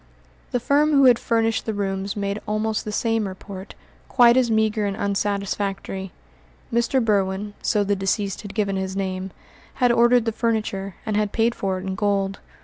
The firm who had furnished the rooms made almost the same report, quite as meagre and unsatisfactory. Mr. Berwin so the deceased had given his name had ordered the furniture, and had paid for it in gold.